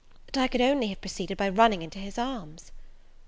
that I could only have proceeded by running into his arms.